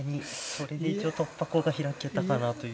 それで一応突破口が開けたかなという。